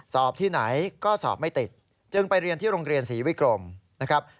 สอบที่ไหนก็สอบไม่ติดจึงไปเรียนที่โรงเรียนศรีวิกรมนะครับ